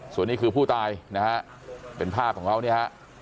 ส่วนนี้คือผู้ตายนะฮะเป็นภาพของเขาเนี่ยฮะ